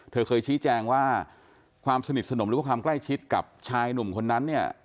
เธอเคยชี้แจงว่าความสนิทสนมหรือว่าความใกล้ชิดกับชายหนุ่มคนนั้นเนี่ย